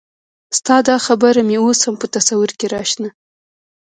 ستا دا خبره مې اوس هم په تصور کې راشنه